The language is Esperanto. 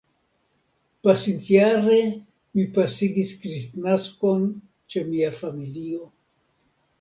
Pasintjare mi pasigis Kristnaskon ĉe mia familio.